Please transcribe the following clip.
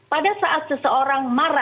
pada saat seseorang